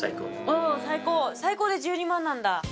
お最高最高で１２万なんだ。